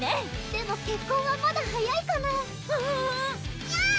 でも結婚はまだ早いかなアワワワやや！